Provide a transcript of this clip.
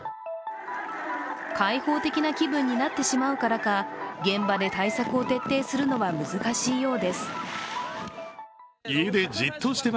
開放的な気分になってしまうからか現場で対策を徹底するのは難しいようです。